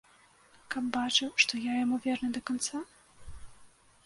Каб бачыў, што я яму верны да канца?